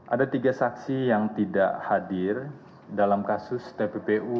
ada tiga saksi yang tidak hadir dalam kasus tppu